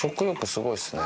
すごいっすね。